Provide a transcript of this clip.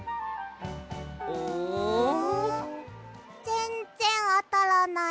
ぜんぜんあたらない。